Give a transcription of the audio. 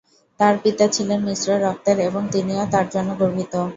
তার পিতা ছিলেন মিশ্র রক্তের এবং তিনিও তার জন্য গর্বিত।